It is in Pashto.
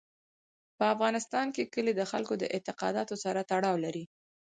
په افغانستان کې کلي د خلکو د اعتقاداتو سره تړاو لري.